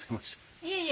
いえいえ。